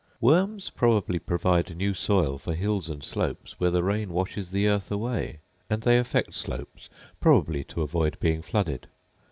Worms probably provide new soil for hills and slopes where the rain washes the earth away; and they affect slopes, probably to avoid being flooded.